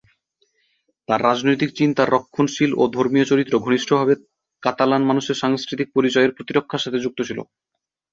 তার রাজনৈতিক চিন্তার রক্ষণশীল ও ধর্মীয় চরিত্র ঘনিষ্ঠভাবে কাতালান মানুষের সাংস্কৃতিক পরিচয়ের প্রতিরক্ষার সাথে যুক্ত ছিল।